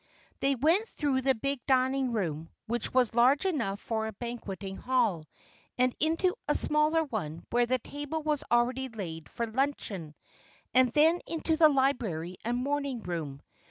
They went through the big dining room, which was large enough for a banqueting hall, and into a smaller one, where the table was already laid for luncheon; and then into the library and morning room.